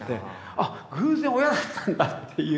「あっ偶然親だったんだ」っていうか。